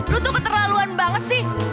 lu tuh keterlaluan banget sih